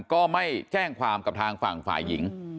ก็ไม่แจ้งความกับทางฝั่งฝ่ายหญิง